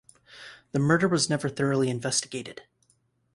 The murder was never thoroughly investigated.